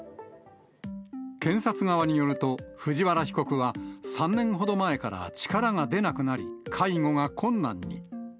検察側によると、藤原被告は３年ほど前から力が出なくなり、介護が困難に。